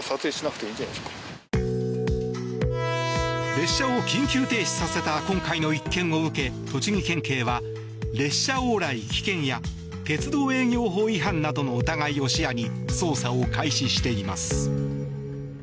列車を緊急停止させた今回の一件を受け栃木県警は列車往来危険や鉄道営業法違反などの疑いを視野に捜査を開始しています。